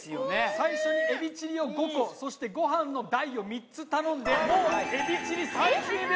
最初にエビチリを５個そしてご飯の３つ頼んでもうエビチリ３０秒。